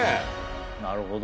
なるほど。